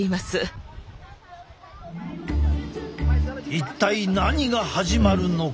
一体何が始まるのか？